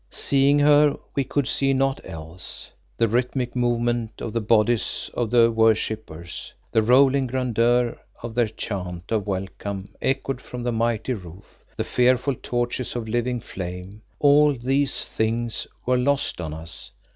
Seeing her we could see naught else. The rhythmic movement of the bodies of the worshippers, the rolling grandeur of their chant of welcome echoed from the mighty roof, the fearful torches of living flame; all these things were lost on us.